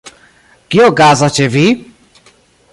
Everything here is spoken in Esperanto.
Kio okazas ĉe vi?